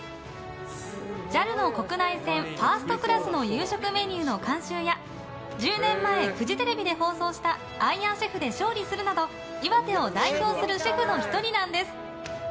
ＪＡＬの国内線ファーストクラスの夕食メニューの監修や１０年前フジテレビで放送した「アイアンシェフ」で勝利するなど岩手を代表するシェフの１人なんです。